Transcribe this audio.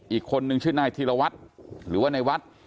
อีกคนนึงชื่อนธิระวัดหรือว่าในวัด